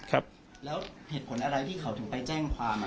ครับแล้วเหตุผลอะไรที่เขาถึงไปแจ้งความ